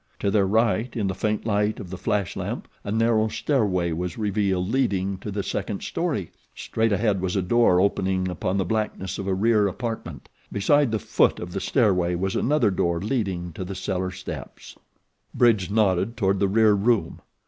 To their right, in the faint light of the flash lamp, a narrow stairway was revealed leading to the second story. Straight ahead was a door opening upon the blackness of a rear apartment. Beside the foot of the stairway was another door leading to the cellar steps. Bridge nodded toward the rear room.